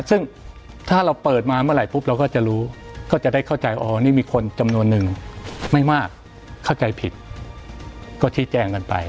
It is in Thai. ซึ่งถ้าเราเปิดมาเมื่อไหร่ปุ๊บเราก็จะรู้ก็จะได้เข้าใจอ๋อนี่มีคนจำนวนนึงไม่มากเข้าใจผิดก็ชี้แจงกันไป